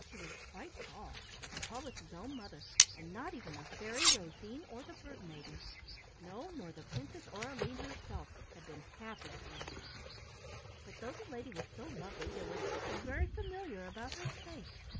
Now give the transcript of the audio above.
She was quite tall,—as tall as his own mother, and not even the fairy Rosine, or the Bird maiden,—no, nor the Princess Aureline herself, had been half as beautiful. But though the lady was so lovely there was something very familiar about her face.